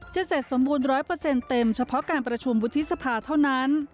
เสร็จสมบูรณ๑๐๐เต็มเฉพาะการประชุมวุฒิสภาเท่านั้น